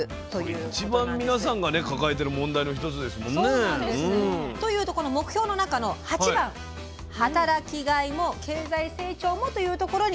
これ一番皆さんが抱えてる問題の一つですもんね。というとこの目標の中の８番「働きがいも経済成長も」というところに。